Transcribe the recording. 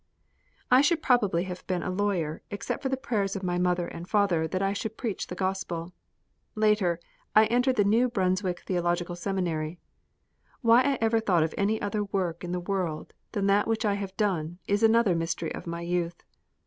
I should probably have been a lawyer, except for the prayers of my mother and father that I should preach the Gospel. Later, I entered the New Brunswick Theological Seminary. Why I ever thought of any other work in the world than that which I have done, is another mystery of my youth.